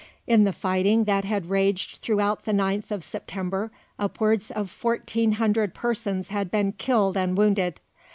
In the fighting that had raged throughout the ninth of September upwards of fourteen hundred persons had been killed and wounded.